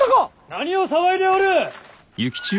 何を騒いでおる！